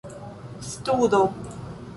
studo